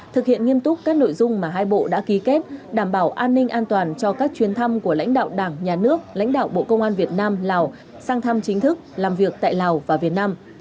thực hiện nghiêm túc các nội dung mà hai bộ đã ký kết đảm bảo an ninh an toàn cho các chuyến thăm của lãnh đạo đảng nhà nước lãnh đạo bộ công an việt nam lào sang thăm chính thức làm việc tại lào và việt nam